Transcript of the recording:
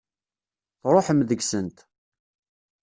Tṛuḥem deg-sent.